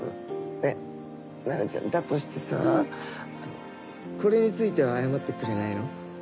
えっ菜奈ちゃんだとしてさこれについては謝ってくれないの？